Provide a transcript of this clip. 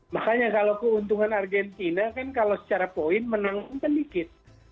makanya kalau keuntungan argentina kan kalau secara poin menang sedikit